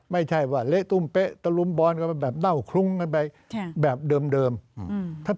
ไม่ใช่ว่าเละตุ้มเป๊ะตะลุมบอลกันแบบเน่าคลุ้งกันไปแบบเดิม